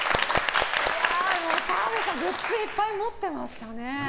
澤部さんグッズいっぱい持ってましたね。